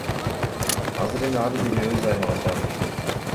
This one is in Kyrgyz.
Азыр эми ар бири өз аймагында гана иштейт.